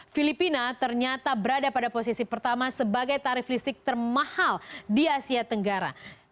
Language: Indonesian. filipina ternyata berada pada posisi pertama sebagai tarif listrik termahal di asia tenggara